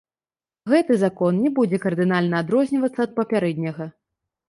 Гэты закон не будзе кардынальна адрознівацца ад папярэдняга.